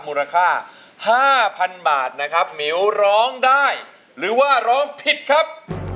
เมล์หนึ่งที่หนึ่งนะครับ